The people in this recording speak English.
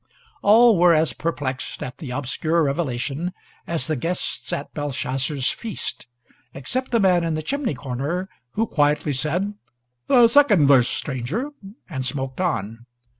All were as perplexed at the obscure revelation as the guests at Belshazzar's feast, except the man in the chimney corner, who quietly said, "Second verse, stranger," and smoked on.